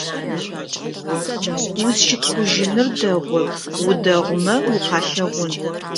Узщытхъужьыныр дэгъоп, удэгъумэ укъалъэгъун.